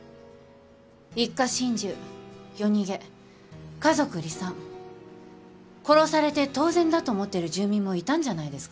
一家心中夜逃げ家族離散殺されて当然だと思ってる住民もいたんじゃないですか？